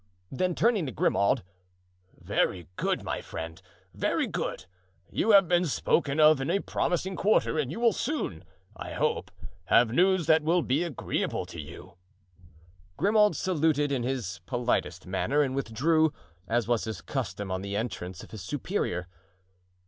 Then turning to Grimaud: "Very good, my friend, very good. You have been spoken of in a promising quarter and you will soon, I hope, have news that will be agreeable to you." Grimaud saluted in his politest manner and withdrew, as was his custom on the entrance of his superior.